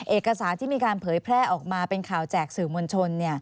เอกสารที่มีการเผยแพร่ออกมาเป็นข่าวแจกสื่อมวลชน